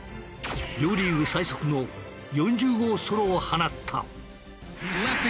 両リーグ最速の４０号ソロを放った。